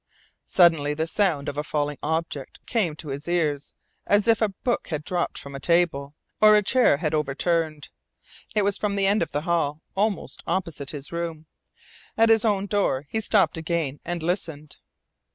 Suddenly the sound of a falling object came to his ears, as if a book had dropped from a table, or a chair had overturned. It was from the end of the hall almost opposite his room. At his own door he stopped again and listened.